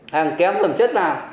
hàng kém phẩm chất nào